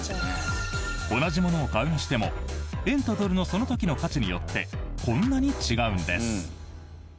同じものを買うにしても円とドルのその時の価値によってこんなに違うんです。